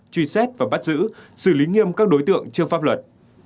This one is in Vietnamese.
truy xét và bắt giữ xử lý nghiêm các đối tượng trước pháp luật